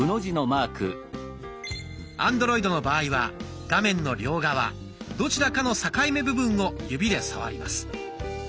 アンドロイドの場合は画面の両側どちらかの境目部分を指で触ります。